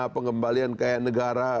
pengembalian kaya negara